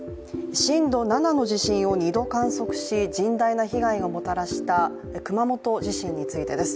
震度７の地震を２度観測し甚大な被害をもたらした熊本地震についてです。